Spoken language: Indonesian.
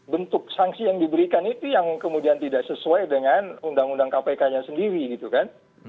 bentuk sanksi yang diberikan itu yang kemudian tidak sesuai dengan undang undang kpk nya sendiri gitu kan